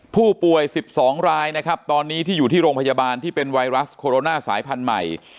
ผู้ป่วย๑๒รายนะครับตอนนี้ที่อยู่ที่โรงพยาบาลที่เป็นไวรัสโคโรนาสายพันธุ์ใหม่